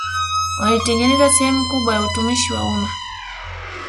Walitengeneza sehemu kubwa ya utumishi wa umma